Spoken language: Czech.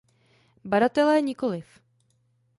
Badatelé nikoliv.